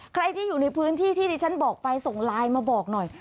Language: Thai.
ใครที่อยู่ในพื้นที่ที่ดิฉันบอกไปส่งไลน์มาบอกหน่อย